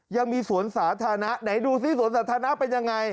ยังมีสวนสาธารณะไหนดูสิสวนสาธารณะเป็นยังไง